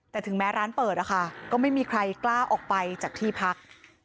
แต่ถึงแม้ร้านเปิดนะคะก็ไม่มีใครกล้าออกไปจากที่พัก